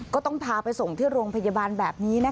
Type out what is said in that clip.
ก็ต้องพาไปส่งที่โรงพยาบาลแบบนี้นะคะ